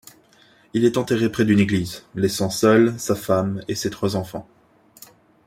Il est enterré près d'une église, laissant seuls sa femme et ses trois enfants.